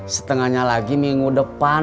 setengahnya lagi minggu depan